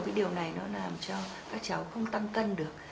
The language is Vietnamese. cái điều này nó làm cho các cháu không tăng cân được